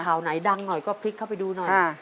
ไหนดังหน่อยก็พลิกเข้าไปดูหน่อย